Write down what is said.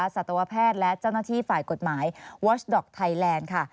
สัตวแพทย์และเจ้าหน้าที่ฝ่ายกฎหมายวอชดอกไทยแลนด์ค่ะ